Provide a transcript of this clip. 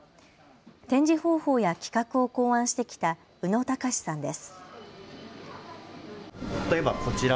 展示方法や企画を考案してきた宇野喬さんです。